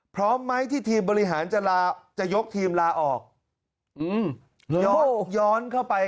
พร้อมไหมที่ทีมบริหารจะลาจะยกทีมลาออกย้อนเข้าไป